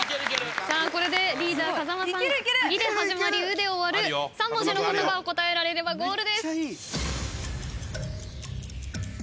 さあこれでリーダー風間さん「い」で始まり「う」で終わる３文字の言葉を答えられればゴールです。